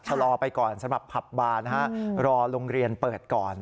ชะลอไปก่อนสำหรับผับบาร์นะฮะรอโรงเรียนเปิดก่อน